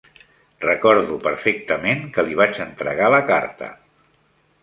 Recordo perfectament que li vaig entregar la carta.